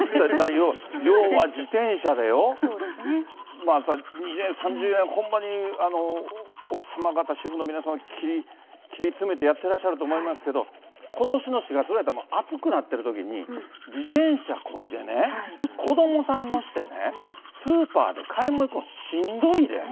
要は自転車でよ、２０円、３０円、ほんまに奥様方、主婦の方、切り詰めてやってらっしゃると思いますけど、ことしの４月ぐらいやったらもう、暑くなってるときに、自転車こいでね、子どもさん乗せてね、スーパーで買い物行くのしんどいねん。